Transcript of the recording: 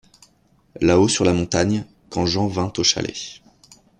Là-haut sur la montagne, quand Jean vint au chalet.